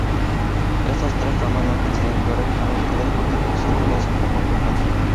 Estas tres ramas no coinciden geográficamente y los contactos entre ellas son poco frecuentes.